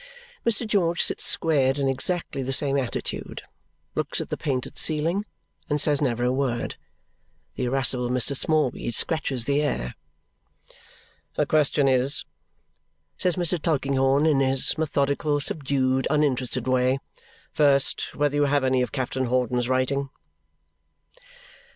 Mr. George sits squared in exactly the same attitude, looks at the painted ceiling, and says never a word. The irascible Mr. Smallweed scratches the air. "The question is," says Mr. Tulkinghorn in his methodical, subdued, uninterested way, "first, whether you have any of Captain Hawdon's writing?"